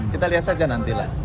kita lihat saja nantilah